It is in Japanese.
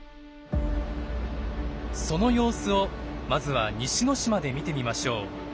その様子をまずは西之島で見てみましょう。